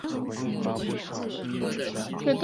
是稻米集散地。